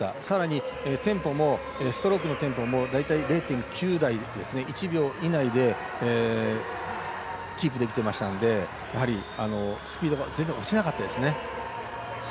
さらにストロークのテンポも大体、０．９台、１秒以内でキープできていましたのでやはりスピードが全然落ちなかったですね。